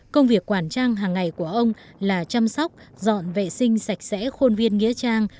công việc quản trang hàng ngày của ông là chăm sóc dọn vệ sinh sạch sẽ khuôn viên nghĩa trang